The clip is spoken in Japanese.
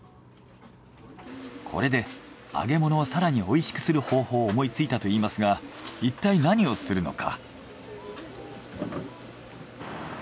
これで揚げ物を更においしくする方法を思いついたといいますがいったい何をするのか？